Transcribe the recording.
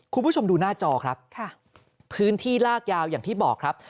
คุณผู้ชมดูหน้าจอครับค่ะพื้นที่ลากยาวอย่างที่บอกครับ